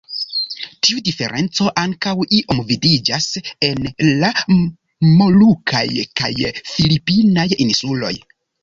Tiu diferenco ankaŭ iom vidiĝas en la molukaj kaj filipinaj insuloj.